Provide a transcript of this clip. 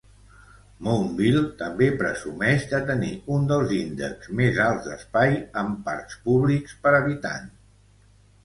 Mountville també presumeix de tenir un dels índexs més alts d'espai amb parcs públic per habitant.